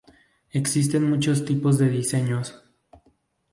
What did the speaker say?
Existen muchos tipos de diseños.